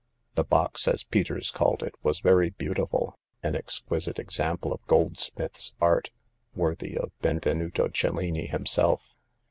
The box, as Peters called it, was very beauti ful ; an exquisite example of goldsmith's art, worthy of Benvenuto Cellini himself.